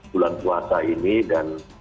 bulan kuasa ini dan